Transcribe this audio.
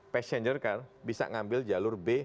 passenger car bisa ngambil jalur b